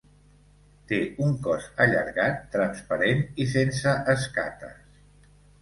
Té un cos allargat, transparent i sense escates.